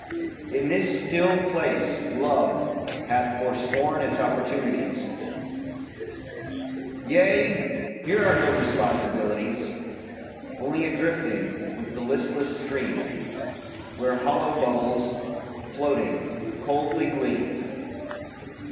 In this still place Love hath forsworn its opportunities. Yea, here are no responsibilities. Only a drifting with the listless stream Where hollow bubbles, floating, coldly gleam.